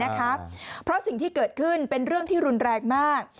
เพราะสิ่งที่เกิดขึ้นเป็นเรื่องที่รุนแรงมาก